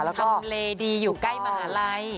ทำเลดีอยู่ใกล้มหาลัย